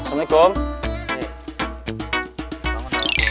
hamzat pendikat echt kebaeti